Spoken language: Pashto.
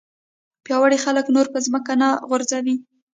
پیاوړي خلک نور په ځمکه نه غورځوي.